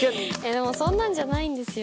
でもそんなんじゃないんですよ